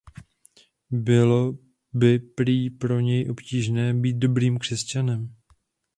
Bylo by prý pro něj obtížné být dobrým křesťanem.